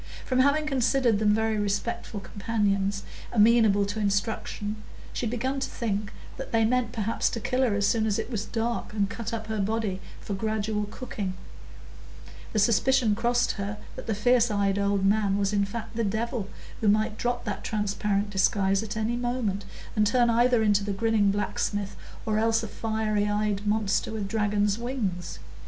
From having considered them very respectful companions, amenable to instruction, she had begun to think that they meant perhaps to kill her as soon as it was dark, and cut up her body for gradual cooking; the suspicion crossed her that the fierce eyed old man was in fact the Devil, who might drop that transparent disguise at any moment, and turn either into the grinning blacksmith, or else a fiery eyed monster with dragon's wings.